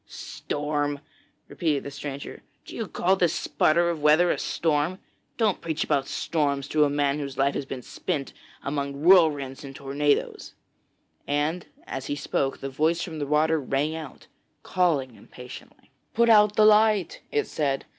'Storm!' repeated the stranger. 'Do you call this sputter of weather a storm? Don't preach about storms to a man whose life has been spent amongst whirlwinds and tornadoes,' and as he spoke, the voice from the water rang out, calling impatiently. 'Put out the light,' it said.